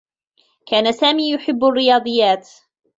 كان سامي يحبّ الرّياضيّات.